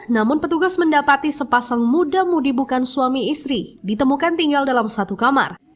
namun petugas mendapati sepasang muda mudi bukan suami istri ditemukan tinggal dalam satu kamar